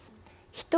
人。